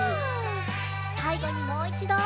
さいごにもういちど。